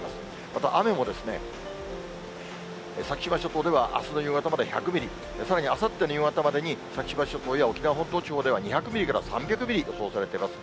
また雨もですね、先島諸島では、あすの夕方までに１００ミリ、さらに、あさっての夕方までに先島諸島や沖縄本島地方では、２００ミリから３００ミリ予想されています。